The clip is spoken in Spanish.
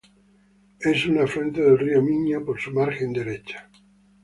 Es un afluente del río Miño por su margen derecha.